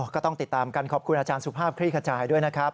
ก็ต้องติดตามกันขอบคุณอาจารย์สุภาพคลี่ขจายด้วยนะครับ